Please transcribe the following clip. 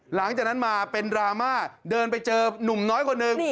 หลังจากนั้นมาเป็นดราม่าเดินไปเจอนุ่มน้อยคนหนึ่ง